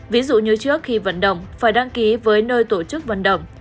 ví dụ như trước khi vận động phải đăng ký với nơi tổ chức vận động